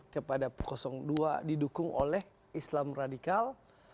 kepada dua didukung oleh islam radikal